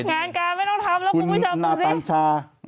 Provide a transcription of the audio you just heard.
งานการไม่ต้องทำแล้วคุณผู้ชมดูสิ